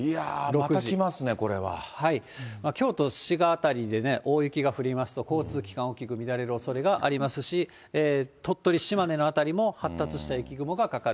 またきますね、京都、滋賀辺りでね、大雪が降りますと、交通機関、大きく乱れるおそれがありますし、鳥取、島根の辺りも、発達した雪雲がかかる。